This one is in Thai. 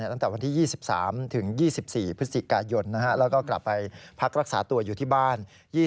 ตั้งแต่วันที่๒๓ถึง๒๔พฤศจิกายนแล้วก็กลับไปพักรักษาตัวอยู่ที่บ้าน